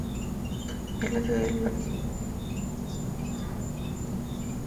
Es sede del Palacio de Gobierno y de otros edificios gubernamentales.